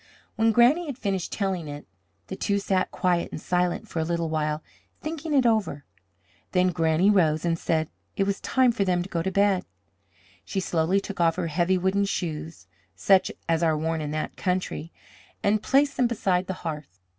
When Granny had finished telling it the two sat quiet and silent for a little while thinking it over; then Granny rose and said that it was time for them to go to bed. She slowly took off her heavy wooden shoes, such as are worn in that country, and placed them beside the hearth.